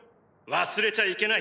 忘れちゃいけない！